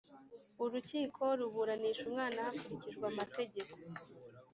urukiko ruburanisha umwana hakurikijwe amategeko